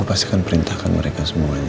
pastikan perintahkan mereka semuanya